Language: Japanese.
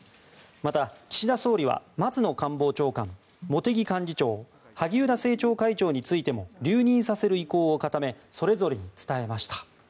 また、岸田総理は松野官房長官、茂木幹事長萩生田政調会長についても留任させる意向を固めそれぞれに伝えました。